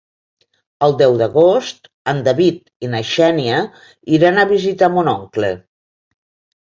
El deu d'agost en David i na Xènia iran a visitar mon oncle.